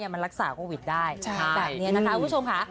มันรักษาโควิดได้แบบนี้นะคะคุณผู้ชมค่ะ